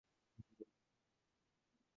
আশা করি তুমি এটা জানোই।